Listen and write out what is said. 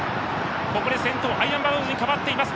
先頭、アイアンバローズに変わっています。